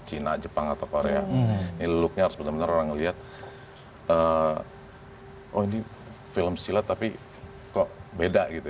cina jepang atau korea ini looknya harus benar benar orang ngelihat oh ini film silat tapi kok beda gitu